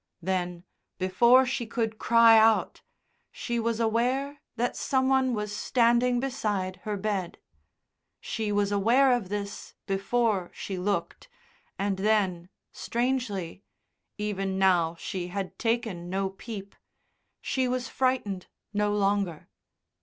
Then, before she could cry out, she was aware that some one was standing beside her bed. She was aware of this before she looked, and then, strangely (even now she had taken no peep), she was frightened no longer.